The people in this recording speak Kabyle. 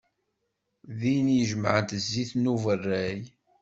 Din i d-jemεent zzit n uberray.